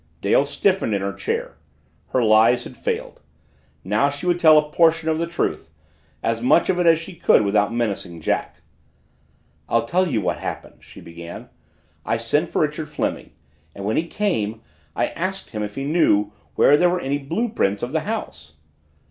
Dale stiffened in her chair. Her lies had failed. Now she would tell a portion of the truth, as much of it as she could without menacing Jack. "I'll tell you just what happened," she began. "I sent for Richard Fleming and when he came, I asked him if he knew where there were any blue prints of the house."